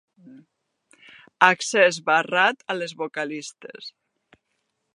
Accés barrat a les vocalistes.